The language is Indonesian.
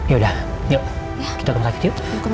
yaudah yuk kita ke rumah sakit yuk